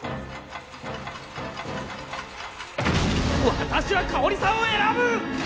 わたしは香織さんを選ぶ！